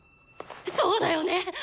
そうだよね！